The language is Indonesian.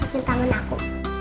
lepin tangan aku